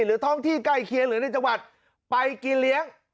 ท้องที่ใกล้เคียงหรือในจังหวัดไปกินเลี้ยง